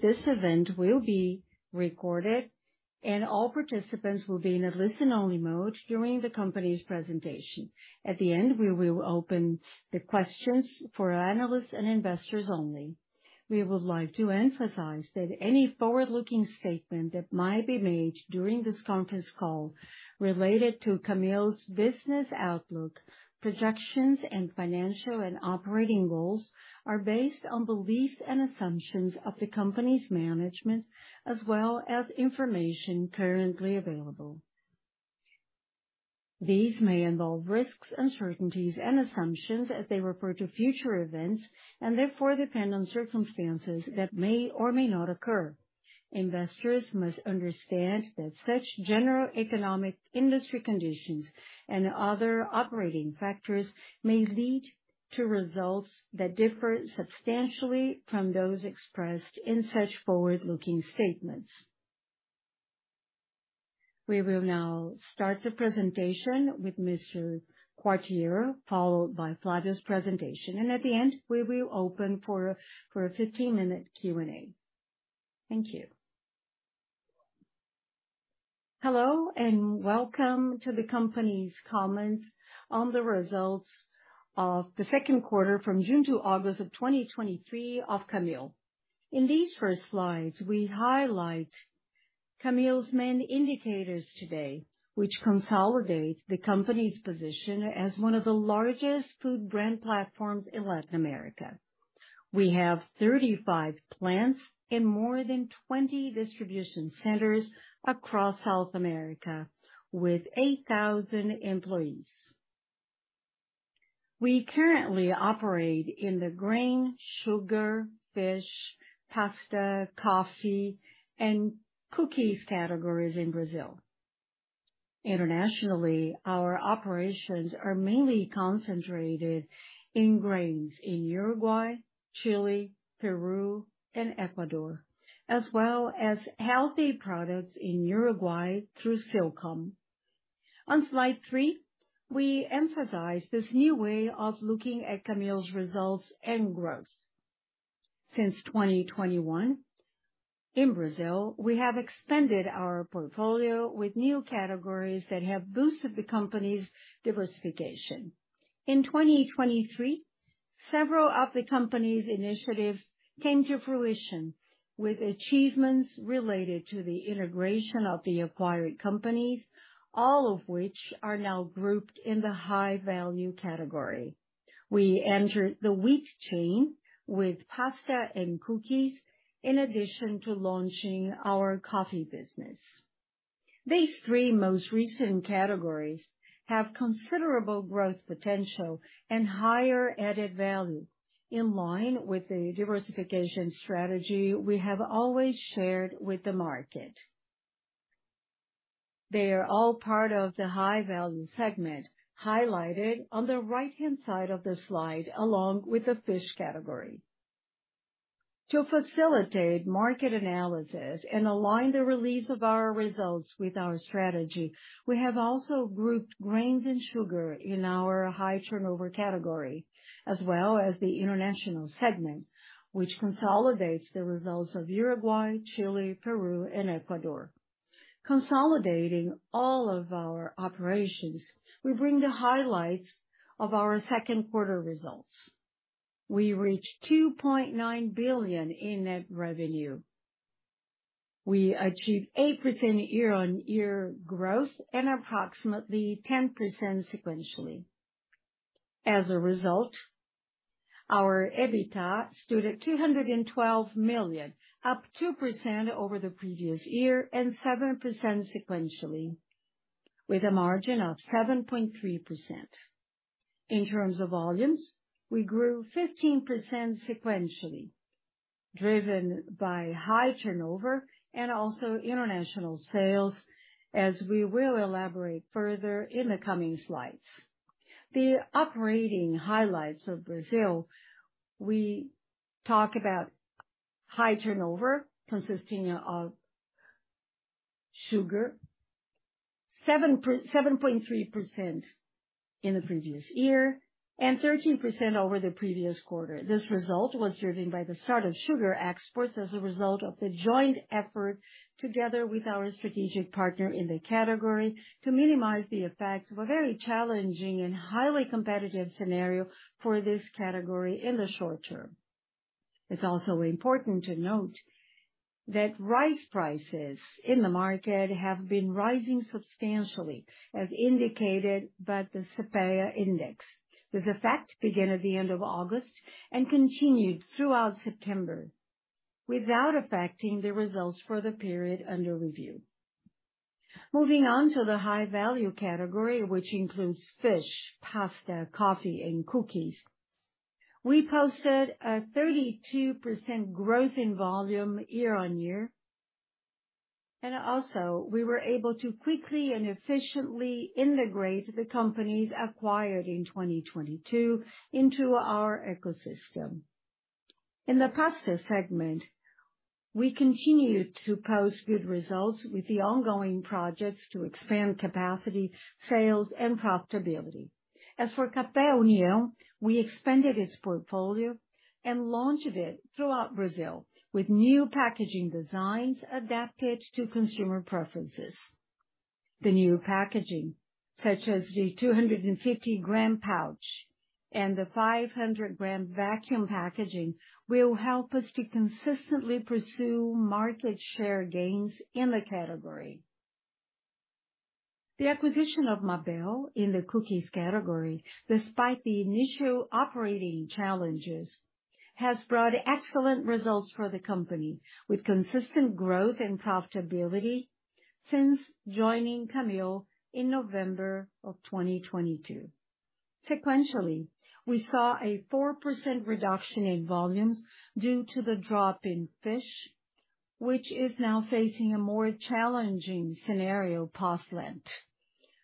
This event will be recorded, and all participants will be in a listen-only mode during the company's presentation. At the end, we will open the questions for analysts and investors only. We would like to emphasize that any forward-looking statement that might be made during this conference call related to Camil's business outlook, projections, and financial and operating goals, are based on beliefs and assumptions of the company's management, as well as information currently available. These may involve risks, uncertainties and assumptions as they refer to future events, and therefore depend on circumstances that may or may not occur. Investors must understand that such general economic industry conditions and other operating factors may lead to results that differ substantially from those expressed in such forward-looking statements. We will now start the presentation with Mr. Quartiero, followed by Flavio's presentation, and at the end, we will open for a fifteen-minute Q&A. Thank you. Hello, and welcome to the company's comments on the results of the second quarter from June to August of 2023 of Camil. In these first slides, we highlight Camil's main indicators today, which consolidate the company's position as one of the largest food brand platforms in Latin America. We have 35 plants and more than 20 distribution centers across South America, with 8,000 employees. We currently operate in the grain, sugar, fish, pasta, coffee, and cookies categories in Brazil. Internationally, our operations are mainly concentrated in grains in Uruguay, Chile, Peru, and Ecuador, as well as healthy products in Uruguay through Silcom. On slide three, we emphasize this new way of looking at Camil's results and growth. Since 2021, in Brazil, we have expanded our portfolio with new categories that have boosted the company's diversification. In 2023, several of the company's initiatives came to fruition, with achievements related to the integration of the acquired companies, all of which are now grouped in the high-value category. We entered the wheat chain with pasta and cookies, in addition to launching our coffee business. These three most recent categories have considerable growth potential and higher added value, in line with the diversification strategy we have always shared with the market. They are all part of the high-value segment, highlighted on the right-hand side of the slide, along with the fish category. To facilitate market analysis and align the release of our results with our strategy, we have also grouped grains and sugar in our high-turnover category, as well as the international segment, which consolidates the results of Uruguay, Chile, Peru, and Ecuador. Consolidating all of our operations, we bring the highlights of our second quarter results. We reached 2.9 billion in net revenue. We achieved 8% year-over-year growth and approximately 10% sequentially. As a result, our EBITDA stood at 212 million, up 2% over the previous year and 7% sequentially, with a margin of 7.3%. In terms of volumes, we grew 15% sequentially, driven by high turnover and also international sales, as we will elaborate further in the coming slides. The operating highlights of Brazil, we talk about high turnover consisting of sugar, 7.3% in the previous year and 13% over the previous quarter. This result was driven by the start of sugar exports as a result of the joint effort together with our strategic partner in the category, to minimize the effects of a very challenging and highly competitive scenario for this category in the short term. It's also important to note that rice prices in the market have been rising substantially, as indicated by the CEPEA index. This effect began at the end of August and continued throughout September, without affecting the results for the period under review. Moving on to the high-value category, which includes fish, pasta, coffee, and cookies, we posted a 32% growth in volume year-on-year, and also we were able to quickly and efficiently integrate the companies acquired in 2022 into our ecosystem. In the pasta segment, we continued to post good results with the ongoing projects to expand capacity, sales, and profitability. As for Café União, we expanded its portfolio and launched it throughout Brazil, with new packaging designs adapted to consumer preferences. The new packaging, such as the 250-gram pouch and the 500-gram vacuum packaging, will help us to consistently pursue market share gains in the category. The acquisition of Mabel in the cookies category, despite the initial operating challenges, has brought excellent results for the company, with consistent growth and profitability since joining Camil in November of 2022. Sequentially, we saw a 4% reduction in volumes due to the drop in fish, which is now facing a more challenging scenario post-Lent.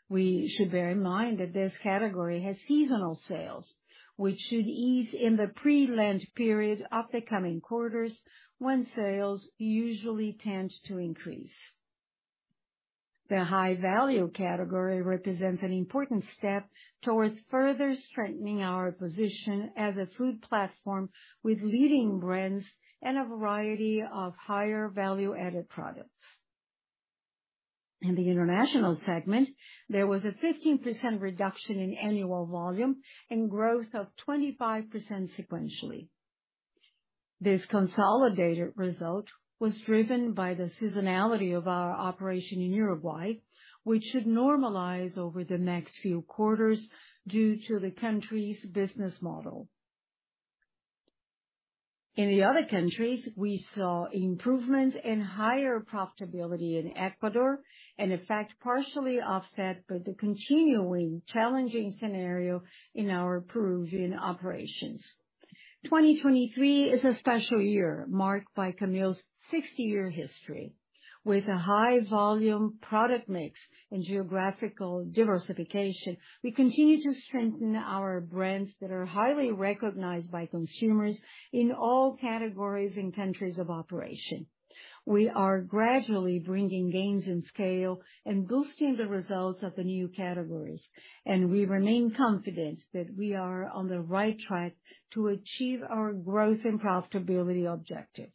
We should bear in mind that this category has seasonal sales, which should ease in the pre-Lent period of the coming quarters, when sales usually tend to increase. The high-value category represents an important step towards further strengthening our position as a food platform, with leading brands and a variety of higher value-added products. In the international segment, there was a 15% reduction in annual volume and growth of 25% sequentially. This consolidated result was driven by the seasonality of our operation in Uruguay, which should normalize over the next few quarters due to the country's business model. In the other countries, we saw improvement in higher profitability in Ecuador, and in fact, partially offset by the continuing challenging scenario in our Peruvian operations. 2023 is a special year marked by Camil's 60-year history. With a high volume product mix and geographical diversification, we continue to strengthen our brands that are highly recognized by consumers in all categories and countries of operation. We are gradually bringing gains in scale and boosting the results of the new categories, and we remain confident that we are on the right track to achieve our growth and profitability objectives.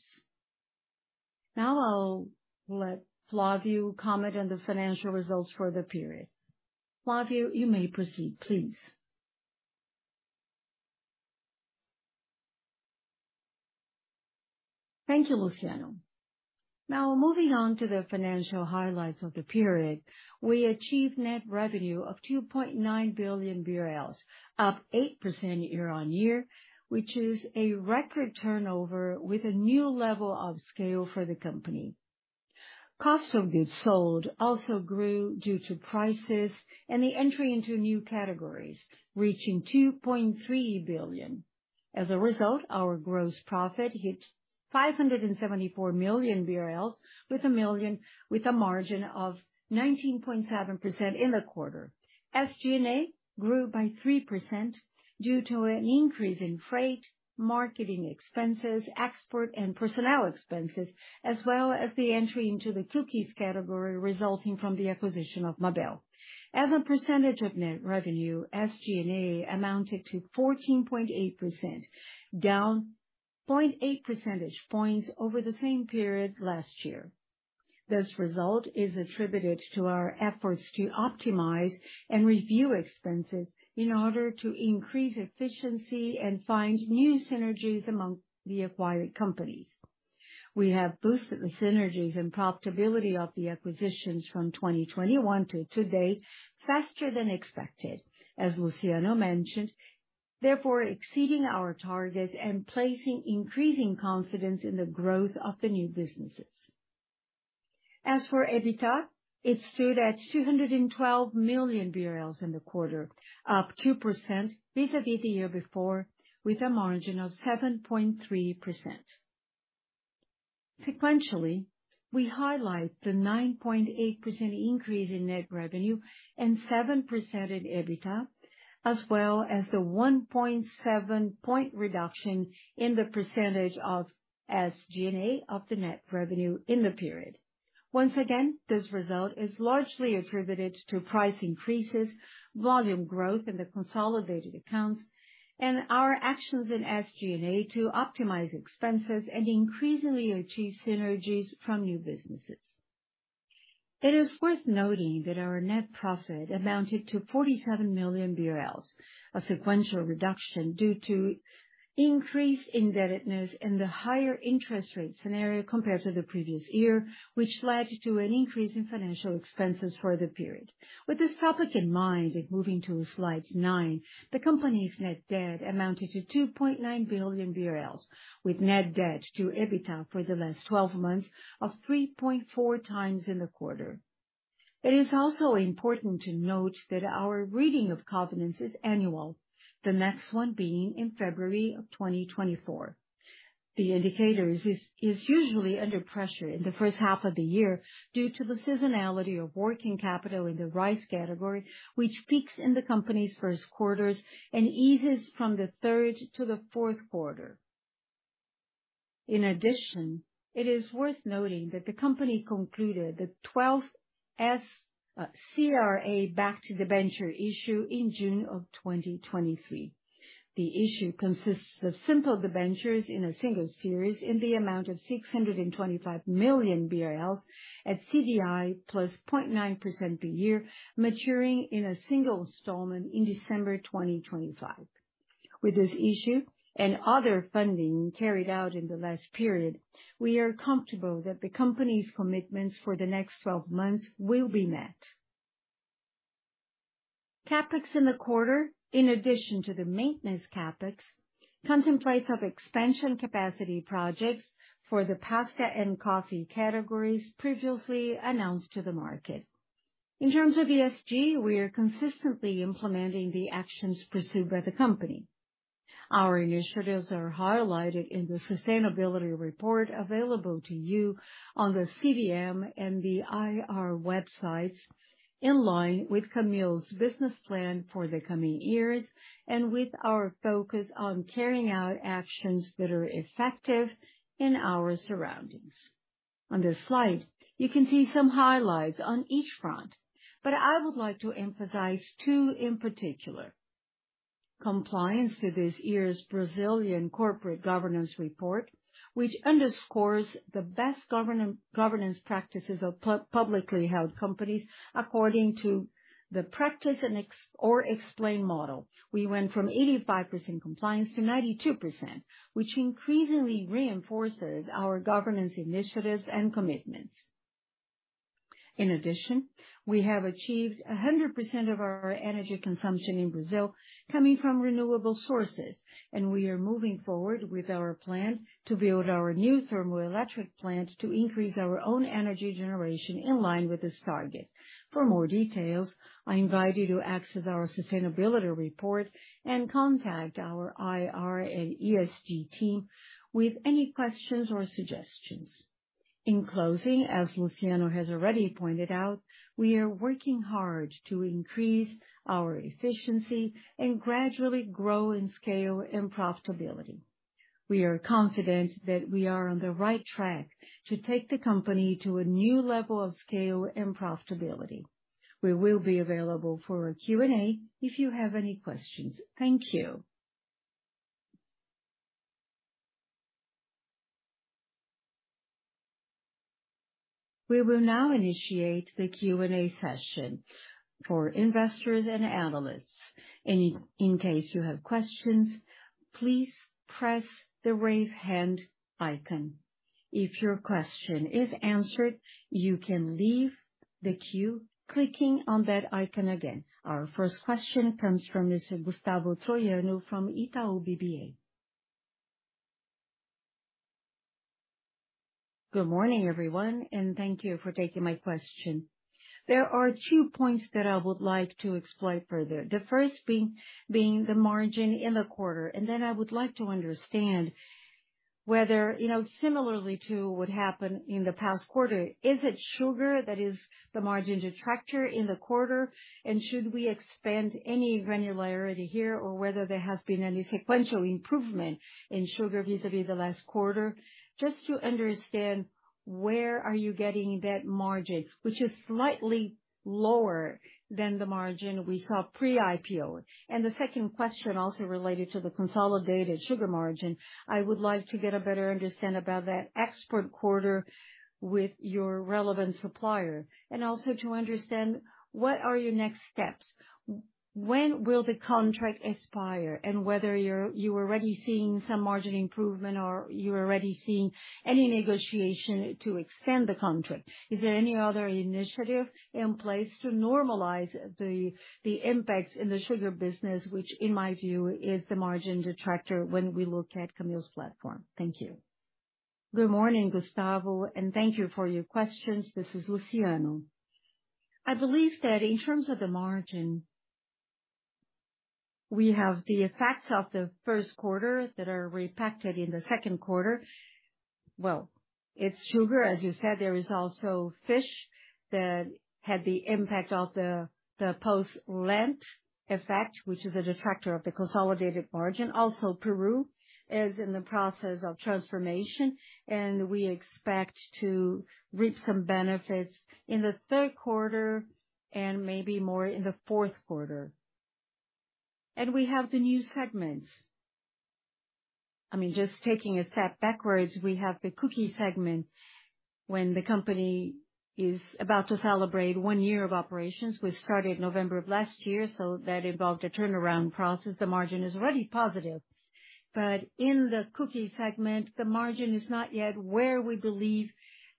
Now I'll let Flavio comment on the financial results for the period. Flavio, you may proceed, please. Thank you, Luciano. Now, moving on to the financial highlights of the period, we achieved net revenue of 2.9 billion BRL, up 8% year-on-year, which is a record turnover with a new level of scale for the company. Cost of goods sold also grew due to prices and the entry into new categories, reaching 2.3 billion. As a result, our gross profit hit 574 million BRL, with a margin of 19.7% in the quarter. SG&A grew by 3% due to an increase in freight, marketing expenses, export, and personnel expenses, as well as the entry into the cookies category, resulting from the acquisition of Mabel. As a percentage of net revenue, SG&A amounted to 14.8%, down 0.8 percentage points over the same period last year. This result is attributed to our efforts to optimize and review expenses in order to increase efficiency and find new synergies among the acquired companies. We have boosted the synergies and profitability of the acquisitions from 2021 to today faster than expected, as Luciano mentioned, therefore exceeding our targets and placing increasing confidence in the growth of the new businesses. As for EBITDA, it stood at 212 million BRL in the quarter, up 2% vis-à-vis the year before, with a margin of 7.3%. Sequentially, we highlight the 9.8% increase in net revenue and 7% in EBITDA, as well as the 1.7 point reduction in the percentage of SG&A of the net revenue in the period. Once again, this result is largely attributed to price increases, volume growth in the consolidated accounts, and our actions in SG&A to optimize expenses and increasingly achieve synergies from new businesses. It is worth noting that our net profit amounted to 47 million BRL, a sequential reduction due to increased indebtedness and the higher interest rate scenario compared to the previous year, which led to an increase in financial expenses for the period. With this topic in mind, moving to slide nine, the company's net debt amounted to 2.9 billion BRL, with net debt to EBITDA for the last 12 months of 3.4x in the quarter. It is also important to note that our reading of covenants is annual, the next one being in February of 2024. The indicator is usually under pressure in the first half of the year due to the seasonality of working capital in the rice category, which peaks in the company's first quarters and eases from the third to the fourth quarter. In addition, it is worth noting that the company concluded the 12th CRA-backed debenture issue in June of 2023. The issue consists of simple debentures in a single series in the amount of 625 million BRL at CDI plus 0.9% per year, maturing in a single installment in December 2025. With this issue and other funding carried out in the last period, we are comfortable that the company's commitments for the next 12 months will be met. CapEx in the quarter, in addition to the maintenance CapEx, contemplates of expansion capacity projects for the pasta and coffee categories previously announced to the market. In terms of ESG, we are consistently implementing the actions pursued by the company. Our initiatives are highlighted in the sustainability report available to you on the CVM and the IR websites, in line with Camil's business plan for the coming years, and with our focus on carrying out actions that are effective in our surroundings. On this slide, you can see some highlights on each front, but I would like to emphasize two in particular. Compliance to this year's Brazilian Corporate Governance Report, which underscores the best governance practices of publicly held companies according to the practice and explain model. We went from 85% compliance to 92%, which increasingly reinforces our governance initiatives and commitments. In addition, we have achieved 100% of our energy consumption in Brazil coming from renewable sources, and we are moving forward with our plan to build our new thermoelectric plant to increase our own energy generation in line with this target. For more details, I invite you to access our sustainability report and contact our IR and ESG team with any questions or suggestions. In closing, as Luciano has already pointed out, we are working hard to increase our efficiency and gradually grow in scale and profitability. We are confident that we are on the right track to take the company to a new level of scale and profitability. We will be available for a Q&A if you have any questions. Thank you. We will now initiate the Q&A session for investors and analysts. In case you have questions, please press the Raise Hand icon. If your question is answered, you can leave the queue clicking on that icon again. Our first question comes from Mr. Gustavo Troyano from Itaú BBA. Good morning, everyone, and thank you for taking my question. There are two points that I would like to explore further. The first being the margin in the quarter, and then I would like to understand whether, you know, similarly to what happened in the past quarter, is it sugar that is the margin detractor in the quarter? And should we expand any granularity here, or whether there has been any sequential improvement in sugar vis-à-vis the last quarter? Just to understand where are you getting that margin, which is slightly lower than the margin we saw pre-IPO? And the second question, also related to the consolidated sugar margin, I would like to get a better understanding about that export quarter with your relevant supplier. And also to understand what are your next steps? When will the contract expire, and whether you're already seeing some margin improvement or you're already seeing any negotiation to extend the contract? Is there any other initiative in place to normalize the, the impacts in the sugar business, which in my view, is the margin detractor when we look at Camil's platform? Thank you. Good morning, Gustavo, and thank you for your questions. This is Luciano. I believe that in terms of the margin, we have the effects of the first quarter that are repacked in the second quarter. Well, it's sugar, as you said, there is also fish that had the impact of the, the post-Lent effect, which is a detractor of the consolidated margin. Also, Peru is in the process of transformation, and we expect to reap some benefits in the third quarter and maybe more in the fourth quarter. We have the new segments. I mean, just taking a step backwards, we have the cookie segment. When the company is about to celebrate one year of operations, we started November of last year, so that involved a turnaround process. The margin is already positive, but in the cookie segment, the margin is not yet where we believe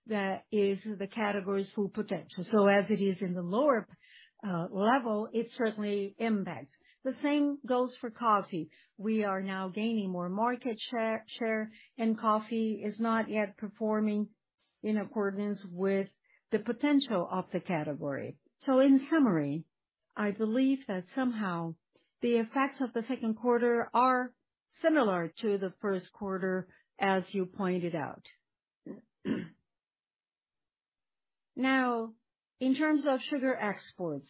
that is the category's full potential. So as it is in the lower level, it certainly impacts. The same goes for coffee. We are now gaining more market share, and coffee is not yet performing in accordance with the potential of the category. So in summary, I believe that somehow the effects of the second quarter are similar to the first quarter, as you pointed out. Now, in terms of sugar exports,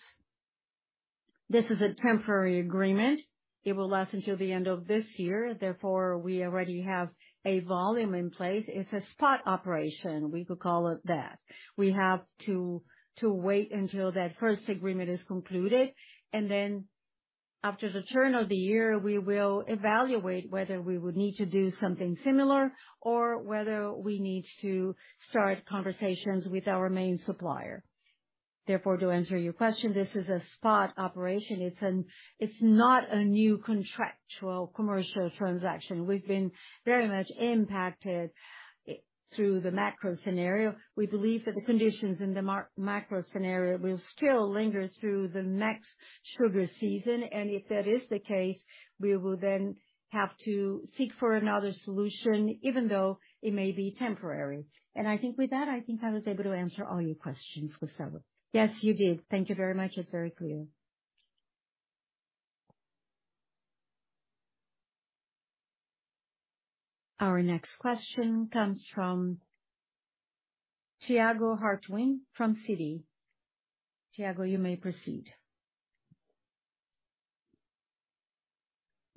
this is a temporary agreement. It will last until the end of this year, therefore, we already have a volume in place. It's a spot operation, we could call it that. We have to wait until that first agreement is concluded, and then after the turn of the year, we will evaluate whether we would need to do something similar or whether we need to start conversations with our main supplier. Therefore, to answer your question, this is a spot operation. It's not a new contractual commercial transaction. We've been very much impacted through the macro scenario. We believe that the conditions in the macro scenario will still linger through the next sugar season, and if that is the case, we will then have to seek for another solution, even though it may be temporary. And I think with that, I think I was able to answer all your questions, Gustavo. Yes, you did. Thank you very much. It's very clear. Our next question comes from Tiago Harduim from Citi. Tiago, you may proceed.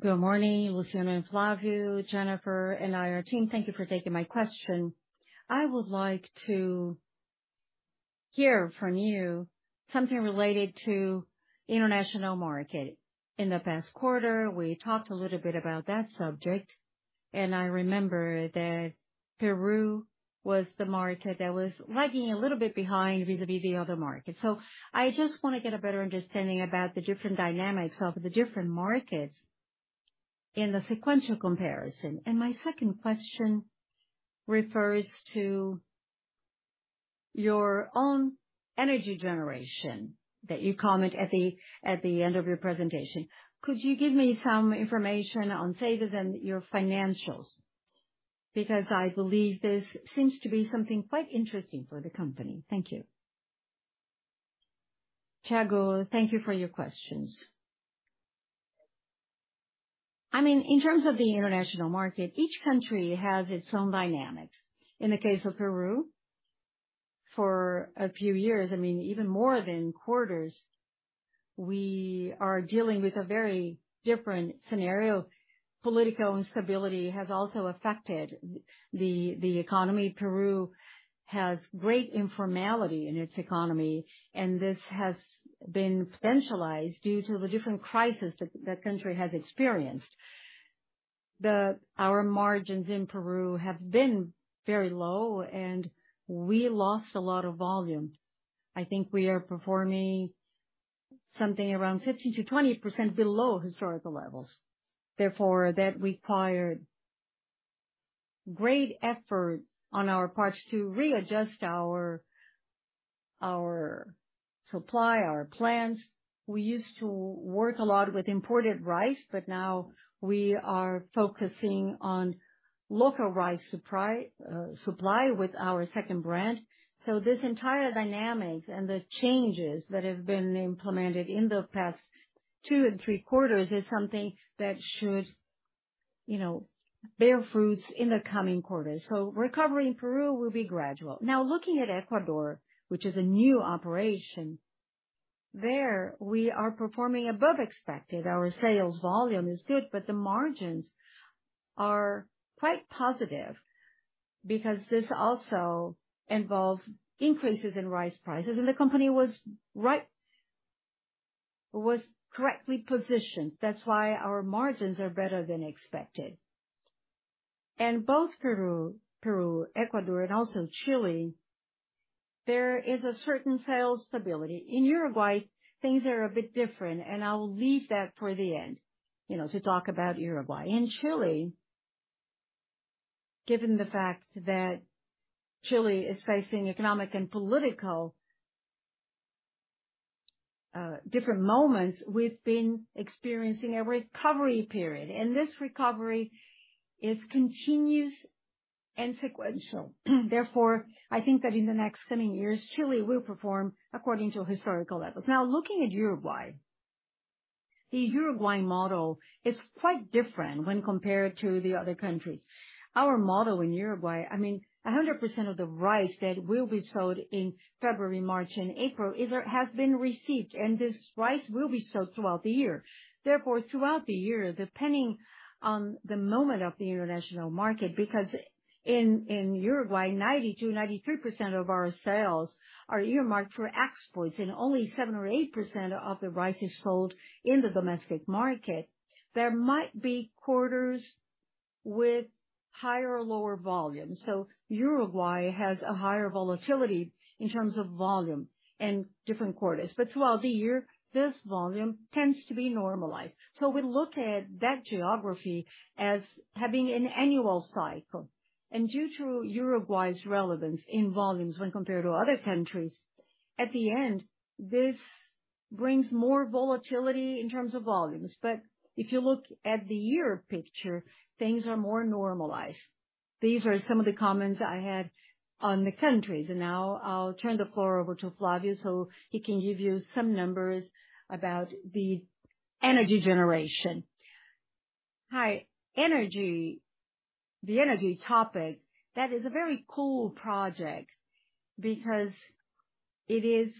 Good morning, Luciano and Flavio, Jenifer, and IR team. Thank you for taking my question. I would like to hear from you something related to international market. In the past quarter, we talked a little bit about that subject, and I remember that Peru was the market that was lagging a little bit behind vis-a-vis the other markets. So I just want to get a better understanding about the different dynamics of the different markets in the sequential comparison. And my second question refers to your own energy generation that you comment at the end of your presentation. Could you give me some information on sales and your financials? Because I believe this seems to be something quite interesting for the company. Thank you. Tiago, thank you for your questions. I mean, in terms of the international market, each country has its own dynamics. In the case of Peru, for a few years, I mean, even more than quarters, we are dealing with a very different scenario. Political instability has also affected the economy. Peru has great informality in its economy, and this has been potentialized due to the different crises that the country has experienced. Our margins in Peru have been very low, and we lost a lot of volume. I think we are performing something around 15%-20% below historical levels. Therefore, that required great efforts on our part to readjust our supply, our plans. We used to work a lot with imported rice, but now we are focusing on local rice supply, supply with our second brand. So this entire dynamic and the changes that have been implemented in the past two and three quarters is something that should, you know, bear fruits in the coming quarters. So recovery in Peru will be gradual. Now, looking at Ecuador, which is a new operation, there we are performing above expected. Our sales volume is good, but the margins are quite positive because this also involves increases in rice prices, and the company was correctly positioned. That's why our margins are better than expected. In both Peru, Peru, Ecuador and also Chile, there is a certain sales stability. In Uruguay, things are a bit different, and I'll leave that for the end, you know, to talk about Uruguay. In Chile, given the fact that Chile is facing economic and political, different moments, we've been experiencing a recovery period, and this recovery is continuous and sequential. Therefore, I think that in the next coming years, Chile will perform according to historical levels. Now, looking at Uruguay, the Uruguayan model is quite different when compared to the other countries. Our model in Uruguay, I mean, 100% of the rice that will be sold in February, March and April is, has been received, and this rice will be sold throughout the year. Therefore, throughout the year, depending on the moment of the international market, because in, in Uruguay, 92% or 93% of our sales are earmarked for exports and only 7% or 8% of the rice is sold in the domestic market. There might be quarters with higher or lower volume. So Uruguay has a higher volatility in terms of volume in different quarters. But throughout the year, this volume tends to be normalized. So we look at that geography as having an annual cycle. Due to Uruguay's relevance in volumes when compared to other countries, at the end, this brings more volatility in terms of volumes. But if you look at the year picture, things are more normalized. These are some of the comments I had on the countries, and now I'll turn the floor over to Flavio, so he can give you some numbers about the energy generation. Hi, energy. The energy topic, that is a very cool project because it is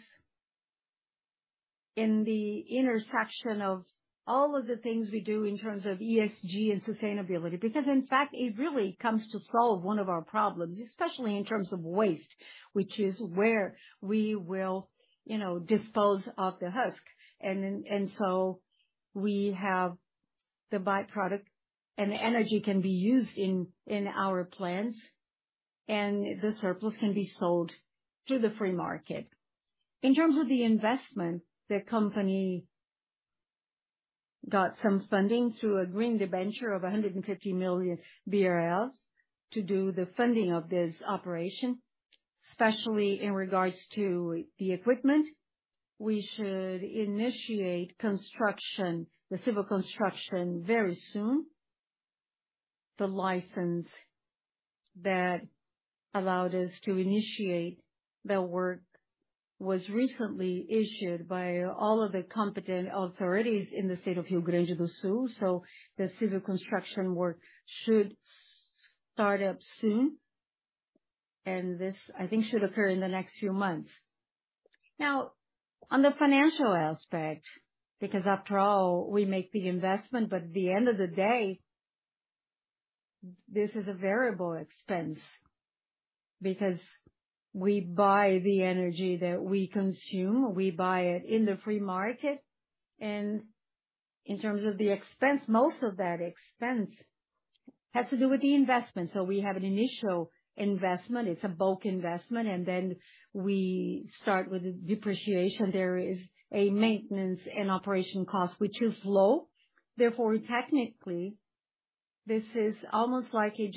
in the intersection of all of the things we do in terms of ESG and sustainability, because, in fact, it really comes to solve one of our problems, especially in terms of waste, which is where we will, you know, dispose of the husk, and so we have. The byproduct and the energy can be used in, in our plants, and the surplus can be sold to the free market. In terms of the investment, the company got some funding through a green debenture of 150 million BRL to do the funding of this operation, especially in regards to the equipment. We should initiate construction, the civil construction, very soon. The license that allowed us to initiate the work was recently issued by all of the competent authorities in the state of Rio Grande do Sul. So the civil construction work should start up soon, and this, I think, should occur in the next few months. Now, on the financial aspect, because after all, we make the investment, but at the end of the day, this is a variable expense because we buy the energy that we consume. We buy it in the free market. In terms of the expense, most of that expense has to do with the investment. So we have an initial investment, it's a bulk investment, and then we start with the depreciation. There is a maintenance and operation cost, which is low. Therefore, technically, this is almost like an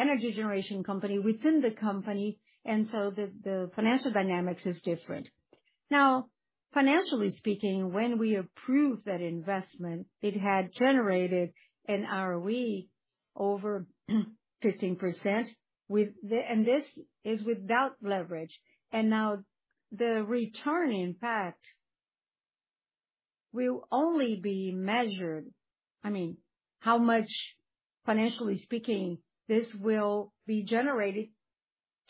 energy generation company within the company, and so the financial dynamics is different. Now, financially speaking, when we approved that investment, it had generated an ROE over 15% with the, and this is without leverage. And now the return impact will only be measured, I mean, how much, financially speaking, this will be generated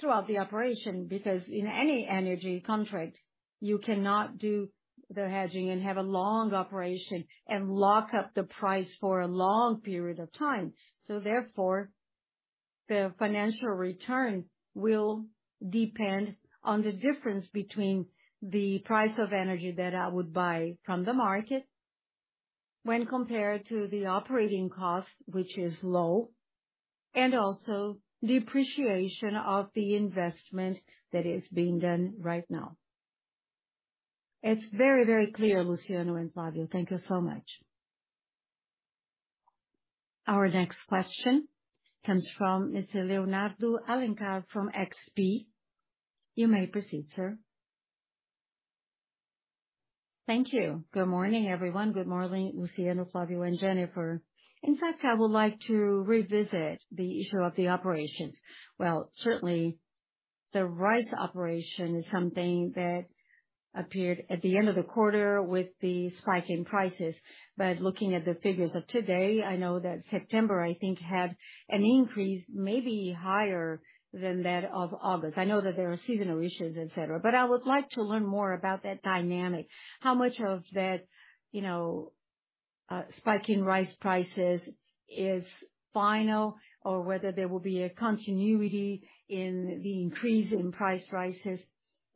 throughout the operation. Because in any energy contract, you cannot do the hedging and have a long operation and lock up the price for a long period of time. So therefore, the financial return will depend on the difference between the price of energy that I would buy from the market when compared to the operating cost, which is low, and also depreciation of the investment that is being done right now. It's very, very clear, Luciano and Flavio. Thank you so much. Our next question comes from Mr. Leonardo Alencar from XP. You may proceed, sir. Thank you. Good morning, everyone. Good morning, Luciano, Flavio, and Jenifer. In fact, I would like to revisit the issue of the operations. Well, certainly the rice operation is something that appeared at the end of the quarter with the spike in prices. But looking at the figures of today, I know that September, I think, had an increase maybe higher than that of August. I know that there are seasonal issues, et cetera, but I would like to learn more about that dynamic. How much of that, you know, spike in rice prices is final, or whether there will be a continuity in the increase in price rises,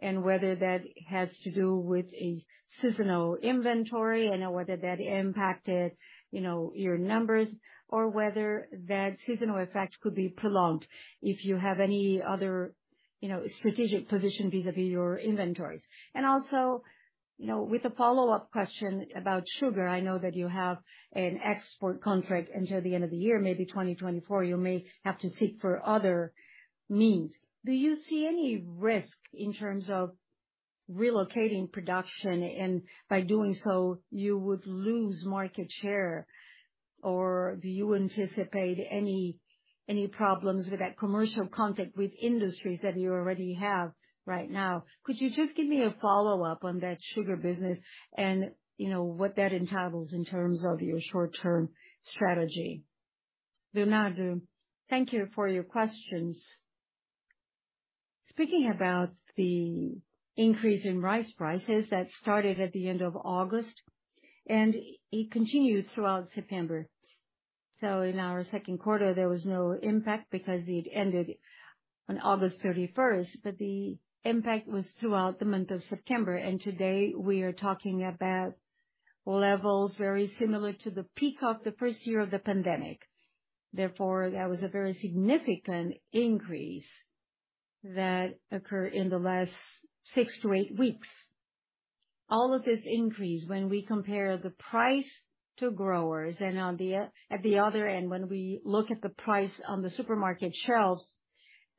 and whether that has to do with a seasonal inventory, and/or whether that impacted, you know, your numbers, or whether that seasonal effect could be prolonged, if you have any other, you know, strategic position vis-à-vis your inventories? And also, you know, with a follow-up question about sugar, I know that you have an export contract until the end of the year, maybe 2024, you may have to seek for other needs. Do you see any risk in terms of relocating production, and by doing so, you would lose market share? Or do you anticipate any problems with that commercial contact with industries that you already have right now? Could you just give me a follow-up on that sugar business and, you know, what that entitles in terms of your short-term strategy? Leonardo, thank you for your questions. Speaking about the increase in rice prices, that started at the end of August, and it continued throughout September. In our second quarter, there was no impact because it ended on August 31st, but the impact was throughout the month of September. Today, we are talking about levels very similar to the peak of the first year of the pandemic. Therefore, that was a very significant increase that occurred in the last six to eight weeks. All of this increase, when we compare the price to growers and on the, at the other end, when we look at the price on the supermarket shelves,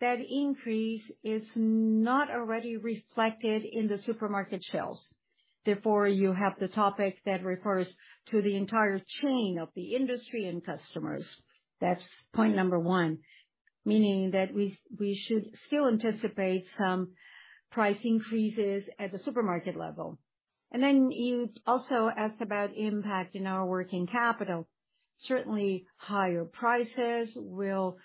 that increase is not already reflected in the supermarket shelves. Therefore, you have the topic that refers to the entire chain of the industry and customers. That's point number one, meaning that we, we should still anticipate some price increases at the supermarket level. And then you also asked about impact in our working capital. Certainly, higher prices will,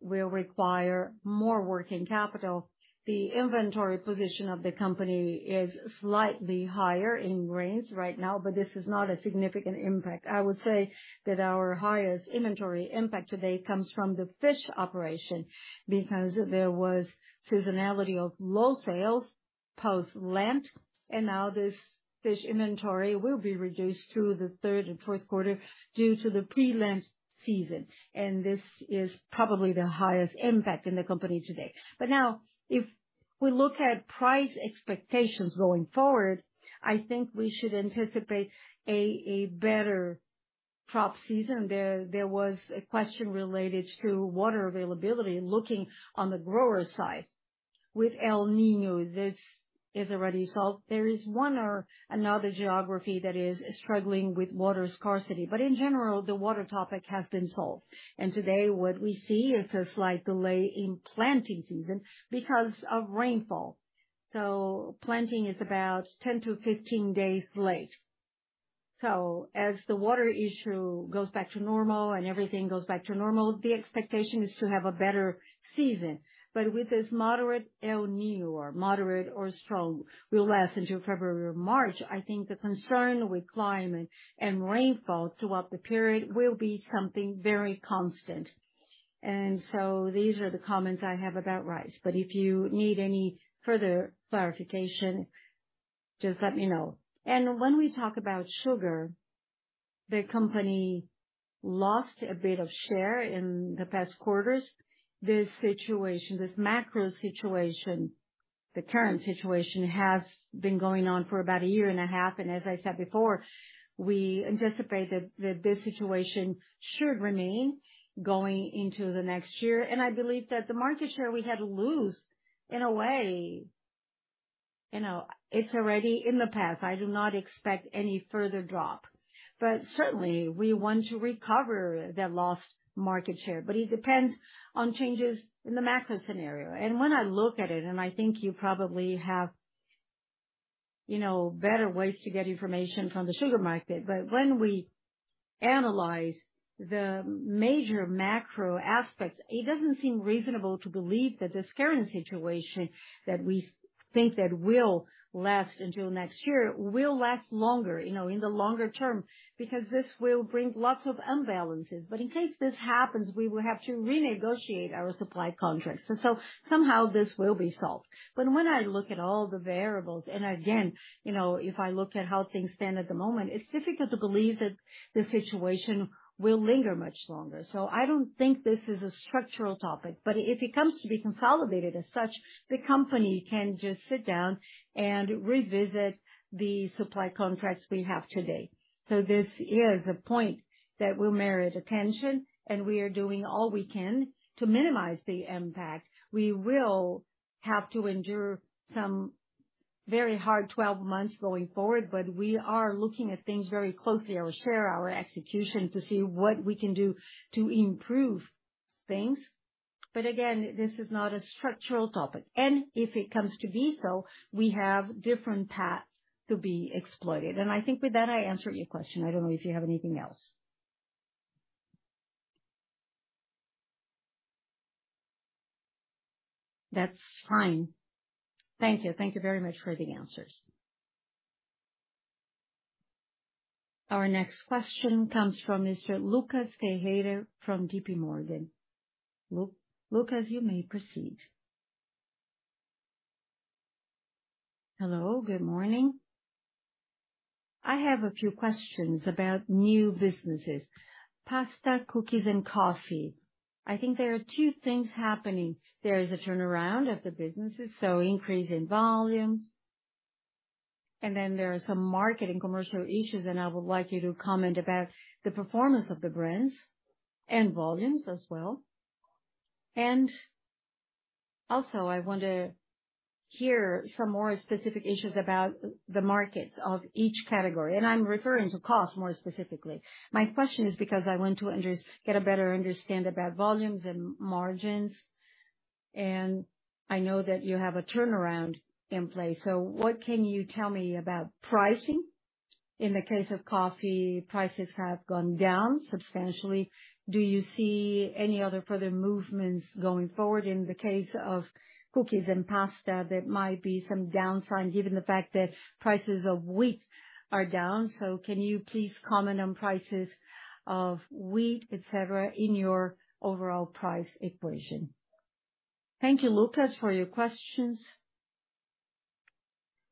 will require more working capital. The inventory position of the company is slightly higher in grains right now, but this is not a significant impact. I would say that our highest inventory impact today comes from the fish operation, because there was seasonality of low sales. Post-Lent, and now this, this inventory will be reduced through the third and fourth quarter due to the pre-Lent season, and this is probably the highest impact in the company today. But now, if we look at price expectations going forward, I think we should anticipate a, a better crop season. There, there was a question related to water availability, looking on the grower side. With El Niño, this is already solved. There is one or another geography that is struggling with water scarcity, but in general, the water topic has been solved. And today, what we see is a slight delay in planting season because of rainfall. So planting is about 10 to 15 days late. So as the water issue goes back to normal and everything goes back to normal, the expectation is to have a better season. But with this moderate El Niño, or moderate or strong, will last until February or March, I think the concern with climate and rainfall throughout the period will be something very constant. And so these are the comments I have about rice, but if you need any further clarification, just let me know. And when we talk about sugar, the company lost a bit of share in the past quarters. This situation, this macro situation, the current situation, has been going on for about a year and a half, and as I said before, we anticipate that, that this situation should remain going into the next year. And I believe that the market share we had lose, in a way, you know, it's already in the past. I do not expect any further drop. But certainly we want to recover the lost market share, but it depends on changes in the macro scenario. And when I look at it, and I think you probably have, you know, better ways to get information from the sugar market, but when we analyze the major macro aspects, it doesn't seem reasonable to believe that this current situation, that we think that will last until next year, will last longer, you know, in the longer term, because this will bring lots of imbalances. But in case this happens, we will have to renegotiate our supply contracts, and so somehow this will be solved. But when I look at all the variables, and again, you know, if I look at how things stand at the moment, it's difficult to believe that the situation will linger much longer. So I don't think this is a structural topic, but if it comes to be consolidated as such, the company can just sit down and revisit the supply contracts we have today. So this is a point that will merit attention, and we are doing all we can to minimize the impact. We will have to endure some very hard 12 months going forward, but we are looking at things very closely, our share, our execution, to see what we can do to improve things. But again, this is not a structural topic, and if it comes to be so, we have different paths to be exploited. And I think with that, I answered your question. I don't know if you have anything else. That's fine. Thank you. Thank you very much for the answers. Our next question comes from Mr. Lucas Ferreira from JPMorgan. Lucas, you may proceed. Hello, good morning. I have a few questions about new businesses, pasta, cookies, and coffee. I think there are two things happening. There is a turnaround of the businesses, so increase in volumes, and then there are some market and commercial issues, and I would like you to comment about the performance of the brands and volumes as well. And also, I want to hear some more specific issues about the markets of each category, and I'm referring to cost more specifically. My question is because I want to get a better understanding about volumes and margins, and I know that you have a turnaround in place. So what can you tell me about pricing? In the case of coffee, prices have gone down substantially. Do you see any other further movements going forward? In the case of cookies and pasta, there might be some downside, given the fact that prices of wheat are down. So can you please comment on prices of wheat, et cetera, in your overall price equation? Thank you, Lucas, for your questions.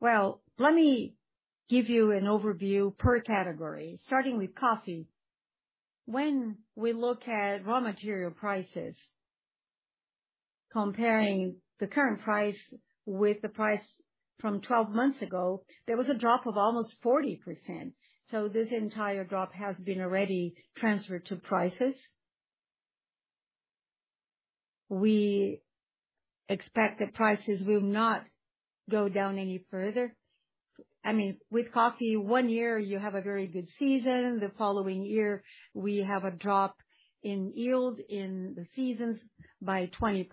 Well, let me give you an overview per category, starting with coffee. When we look at raw material prices, comparing the current price with the price from 12 months ago, there was a drop of almost 40%. So this entire drop has been already transferred to prices. We expect that prices will not go down any further. I mean, with coffee, one year you have a very good season, the following year, we have a drop in yield in the seasons by 20%.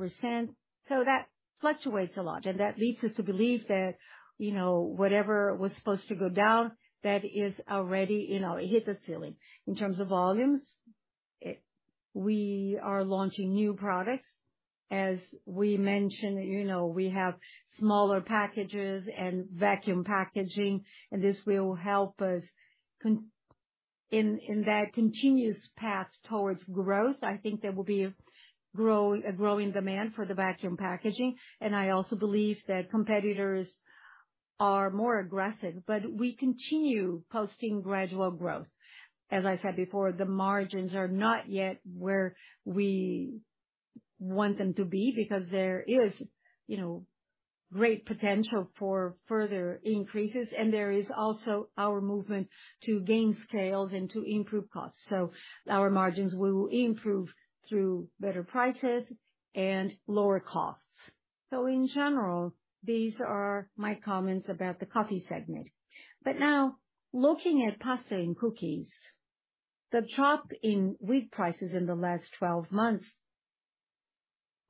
So that fluctuates a lot, and that leads us to believe that, you know, whatever was supposed to go down, that is already, you know, it hit the ceiling. In terms of volumes, it, we are launching new products. As we mentioned, you know, we have smaller packages and vacuum packaging, and this will help us continue in that continuous path towards growth. I think there will be a growing demand for the vacuum packaging, and I also believe that competitors are more aggressive, but we continue posting gradual growth. As I said before, the margins are not yet where we want them to be, because there is, you know, great potential for further increases, and there is also our movement to gain scales and to improve costs. So our margins will improve through better prices and lower costs. So in general, these are my comments about the coffee segment. But now, looking at pasta and cookies, the drop in wheat prices in the last 12 months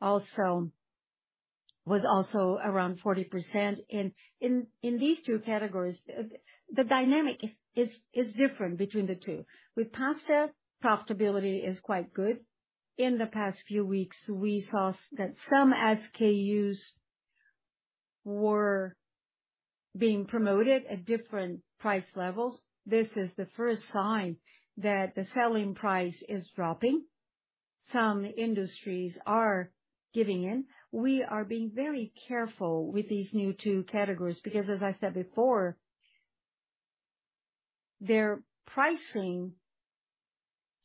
also was also around 40%. In these two categories, the dynamic is different between the two. With pasta, profitability is quite good. In the past few weeks, we saw that some SKUs were being promoted at different price levels. This is the first sign that the selling price is dropping. Some industries are giving in. We are being very careful with these new two categories, because as I said before, their pricing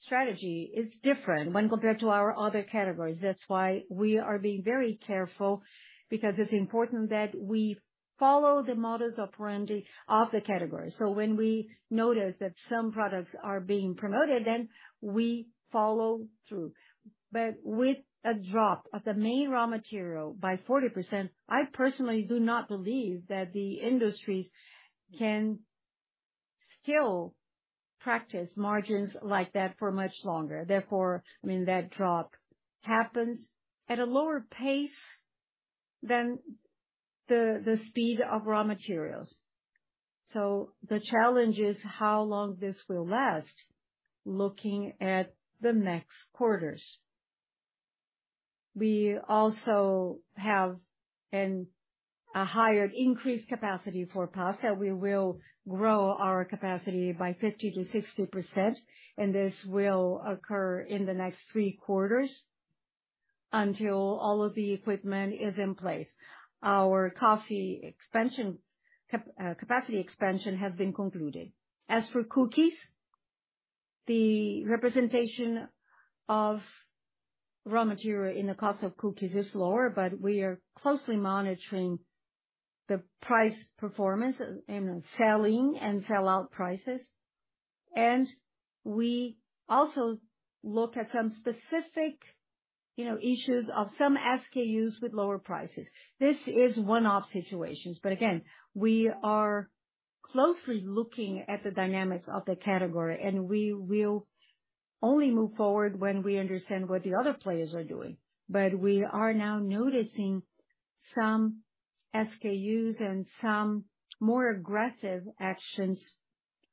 strategy is different when compared to our other categories. That's why we are being very careful, because it's important that we follow the modus operandi of the category. So when we notice that some products are being promoted, then we follow through. But with a drop of the main raw material by 40%, I personally do not believe that the industries can still practice margins like that for much longer. Therefore, I mean, that drop happens at a lower pace than the, the speed of raw materials. So the challenge is how long this will last, looking at the next quarters. We also have a higher increased capacity for pasta. We will grow our capacity by 50%-60%, and this will occur in the next three quarters until all of the equipment is in place. Our coffee expansion capacity expansion has been concluded. As for cookies, the representation of raw material in the cost of cookies is lower, but we are closely monitoring the price performance in the selling and sellout prices. We also look at some specific, you know, issues of some SKUs with lower prices. This is one-off situations, but again, we are closely looking at the dynamics of the category, and we will only move forward when we understand what the other players are doing. But we are now noticing some SKUs and some more aggressive actions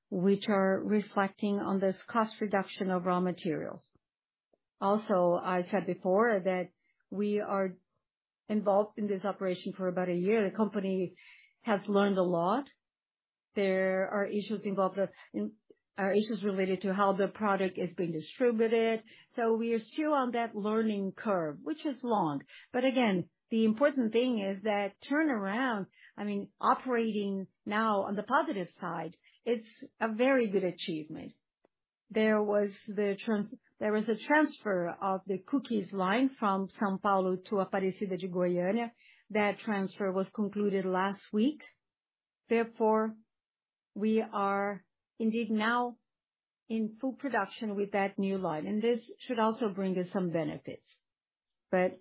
which are reflecting on this cost reduction of raw materials. Also, I said before that we are involved in this operation for about a year. The company has learned a lot. There are issues related to how the product is being distributed, so we are still on that learning curve, which is long. But again, the important thing is that turnaround, I mean, operating now on the positive side, it's a very good achievement. There was a transfer of the cookies line from São Paulo to Aparecida de Goiânia. That transfer was concluded last week. Therefore, we are indeed now in full production with that new line, and this should also bring us some benefits. But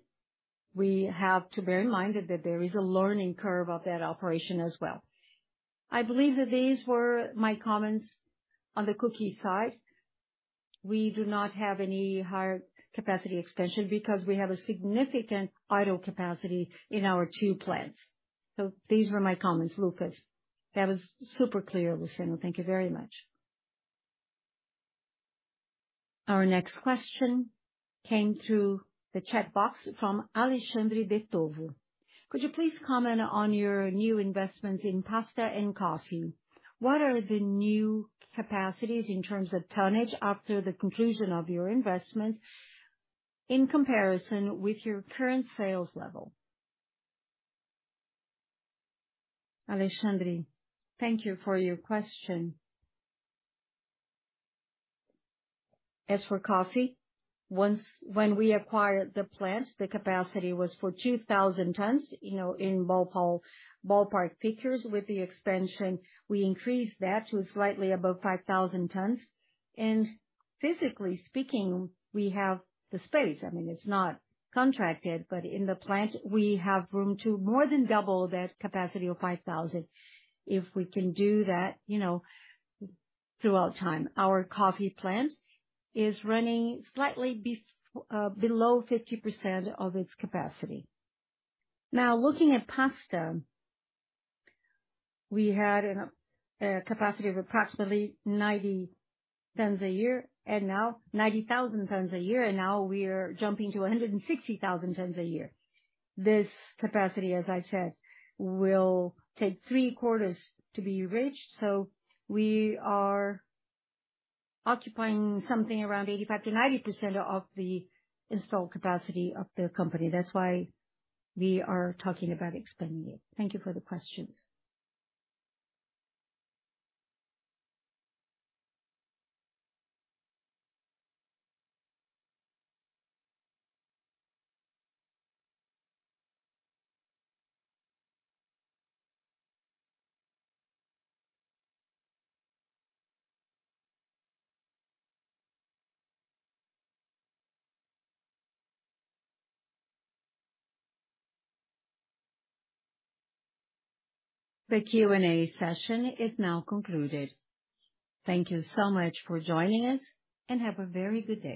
we have to bear in mind that there is a learning curve of that operation as well. I believe that these were my comments on the cookie side. We do not have any higher capacity expansion because we have a significant idle capacity in our two plants. So these were my comments, Lucas. That was super clear, Luciano. Thank you very much. Our next question came through the chat box from [Alexandre de Tovu]. Could you please comment on your new investment in pasta and coffee? What are the new capacities in terms of tonnage after the conclusion of your investment in comparison with your current sales level? Alexandre, thank you for your question. As for coffee, when we acquired the plant, the capacity was for 2,000 tons, you know, in ballpark figures. With the expansion, we increased that to slightly above 5,000 tons. And physically speaking, we have the space. I mean, it's not contracted, but in the plant, we have room to more than double that capacity of 5,000, if we can do that, you know, throughout time. Our coffee plant is running slightly below 50% of its capacity. Now, looking at pasta, we had a capacity of approximately 90,000 tons a year, and now we are jumping to 160,000 tons a year. This capacity, as I said, will take three quarters to be reached, so we are occupying something around 85%-90% of the installed capacity of the company. That's why we are talking about expanding it. Thank you for the questions. The Q&A session is now concluded. Thank you so much for joining us, and have a very good day.